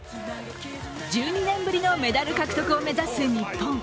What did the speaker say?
１２年ぶりのメダル獲得を目指す日本。